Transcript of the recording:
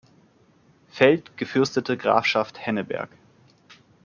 Feld gefürstete Grafschaft Henneberg